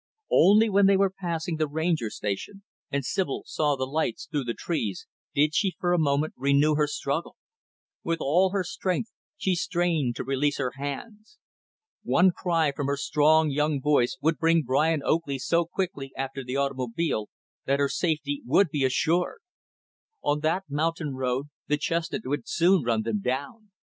Only when they were passing the Ranger Station and Sibyl saw the lights through the trees, did she, for a moment, renew her struggle. With all her strength she strained to release her hands. One cry from her strong, young voice would bring Brian Oakley so quickly after the automobile that her safety would be assured. On that mountain road, the chestnut would soon run them down.